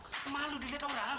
kamu malu dilihat orang